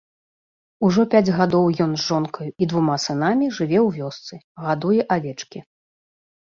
Ужо пяць гадоў ён з жонкаю і двума сынамі жыве ў вёсцы, гадуе авечкі.